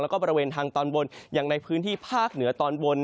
แล้วก็บริเวณทางตอนบนอย่างในพื้นที่ภาคเหนือตอนบน